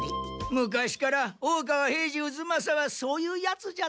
昔から大川平次渦正はそういうヤツじゃった。